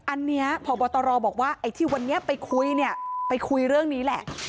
อันนี้พบตรบอกว่าไอ้ที่วันนี้ไปคุยเนี่ยไปคุยเรื่องนี้แหละ